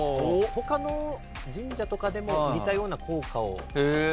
他の神社とかでも似たような効果を。